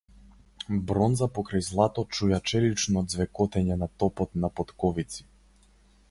Бронза покрај злато чуја челично ѕвекотење на топот на потковици.